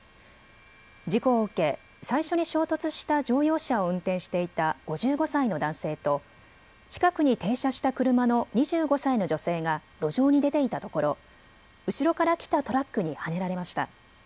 事故を受け最初に衝突した乗用車を運転していた５５歳の男性と近くに停車した車の２５歳の女性が路上に出ていたところ後ろから来たトラックにはねられました。